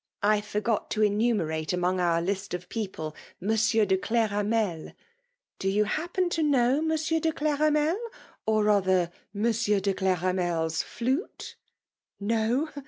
I forgot to enumerate, among our list of peo ple. Monsieur de Cl^rameL Do you happen to know Monaeur de Cleramel/ or rather Monsieur de Cleramers flute? — No?